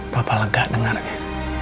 papa lega dengarnya